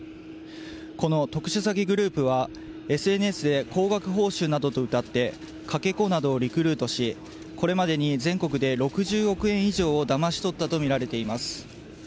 この特殊詐欺グループはＳＮＳで高額報酬などとうたって、かけ子などをリクルートし、これまでに全国で６０億円以上をだまし取ったと見られています。